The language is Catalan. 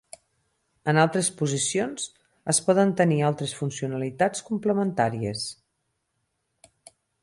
En altres posicions, es poden tenir altres funcionalitats complementàries.